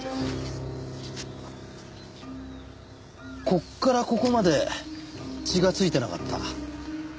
こっからここまで血がついてなかった。